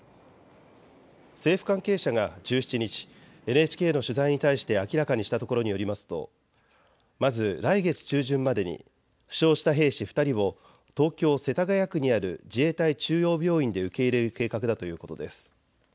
政府関係者が１７日、ＮＨＫの取材に対して明らかにしたところによりますとまず来月中旬までに負傷した兵士２人を東京世田谷区にある自衛隊中央病院で受け入れる計画だということです。